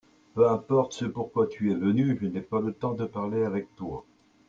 Peu importe ce pourquoi tu es venu, je n'ai pas le temps de parler avec toi.